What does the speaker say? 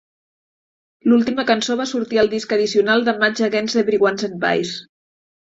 L'última cançó va sortir al disc addicional de "Much Against Everyone's Advice".